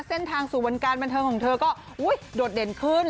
เส้นทางสู่วงการบันเทิงของเธอก็โดดเด่นขึ้น